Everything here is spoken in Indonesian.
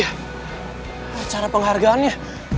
oh iya cara penghargaannya